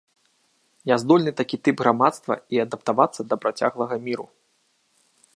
Няздольны такі тып грамадства і адаптавацца да працяглага міру.